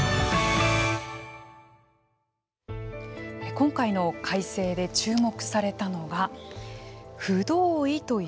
今回の改正で注目されたのが不同意という言葉です。